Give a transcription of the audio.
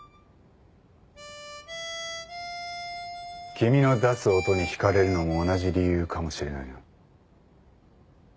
君の出す音に引かれるのも同じ理由かもしれないな。